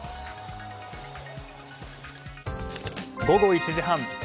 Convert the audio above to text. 午後１時半。